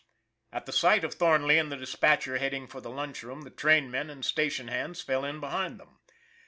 At the sight of Thornley and the dispatcher head ing for the lunch room, the trainmen and station hands fell in behind them.